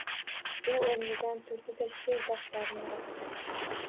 U oʼrnidan turdi-da, sheʼr daftarini ochdi.